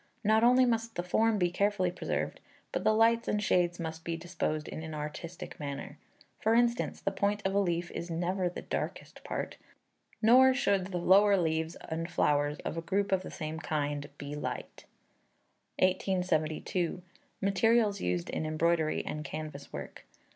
Not only must the form be carefully preserved, but the lights and shades must be disposed in an artistic manner. For instance: the point of a leaf is never the darkest part, nor should the lower leaves and flowers of a group of the same kind be light. 1872. Materials used in Embroidery and Canvas Work.